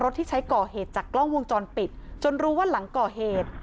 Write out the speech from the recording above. ที่ใช้ก่อเหตุจากกล้องวงจรปิดจนรู้ว่าหลังก่อเหตุ